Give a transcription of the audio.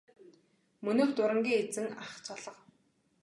Мөнөөх дурангийн эзэн ах ч алга.